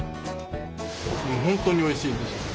もう本当においしいです。